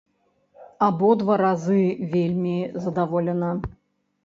Абодва разы вельмі задаволена!